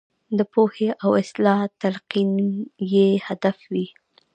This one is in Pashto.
د پوهې او اصلاح تلقین یې هدف وي.